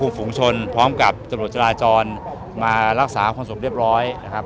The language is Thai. ฝูงชนพร้อมกับตำรวจจราจรมารักษาความสงบเรียบร้อยนะครับ